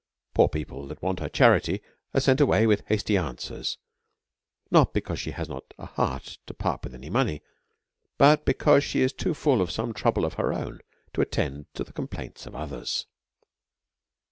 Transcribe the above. Poor people that want her charity are sent away with hasty answ^ers, not because she has not a heart to part with any money, but because she is too full of some trouble of her own to attend to the DEVOUT AND HOLY LIFE. 121 complaints of others.